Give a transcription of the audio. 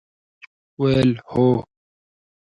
ویل ، هو!